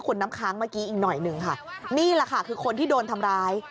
คุณน้ำค้างเมื่อกี้อีกหน่อยหนึ่งค่ะนี่แหละค่ะคือคนที่โดนทำร้าย